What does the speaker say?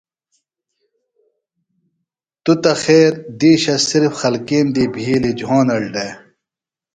توۡ تہ خیر دیشہ صرفِ خلکیم دی بھیلیۡ جھونڑ دےۡ۔